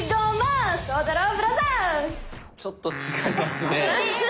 ちょっと違いますね。